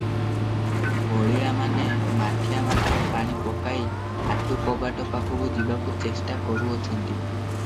ହଳିଆମାନେ ମାଠିଆ ମାଠିଆ ପାଣି ପକାଇ ଆଟୁ କବାଟ ପାଖକୁ ଯିବାକୁ ଚେଷ୍ଟା କରୁଅଛନ୍ତି ।